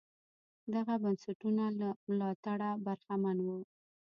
دغه بنسټونه له ملاتړه برخمن وو.